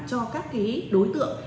cho các cái đối tượng